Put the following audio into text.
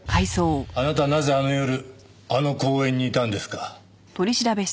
あなたはなぜあの夜あの公園にいたんですか？